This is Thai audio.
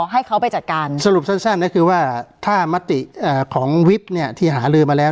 ให้เขาไปจัดการสรุปแสดงแสดงนี้คือว่าถ้าของเนี่ยที่หาลืมมาแล้ว